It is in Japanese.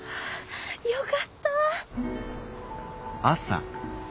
よかった。